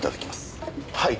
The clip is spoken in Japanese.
はい。